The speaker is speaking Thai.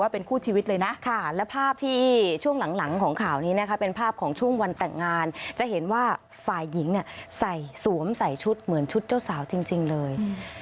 เป็นคู่ชีวิตเลยนะและภาพที่ช่วงหลังของข่าวนี้นะคะเป็นภาพของช่วงวันแต่งงานจะเห็นว่าฝ่ายหญิงใส่สวมใส่ชุดเหมือนชุดเจ้าสาวจริงเลย